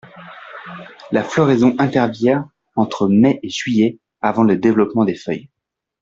La floraison intervient entre mai et juillet, avant le développement des feuilles.